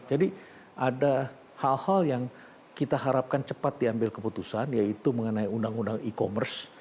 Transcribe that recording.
jadi ada hal hal yang kita harapkan cepat diambil keputusan yaitu mengenai undang undang e commerce